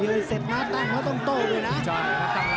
อย่างจริงเลยนะแม่